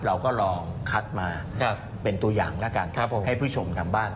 เราก็ลองคัดมาเป็นตัวอย่างแล้วกันให้ผู้ชมทางบ้าน